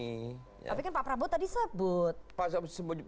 tapi kan pak prabowo tadi sebut